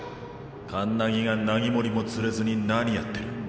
カンナギがナギモリも連れずに何やってる？